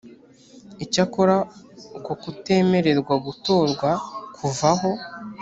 icyakora uko kutemererwa gutorwa kuvaho